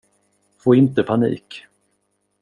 Få inte panik.